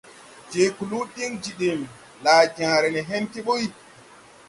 Je kluu din jidim, laa jããre ne hen ti ɓuy.